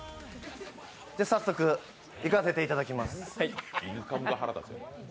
早速、いかせていただきます。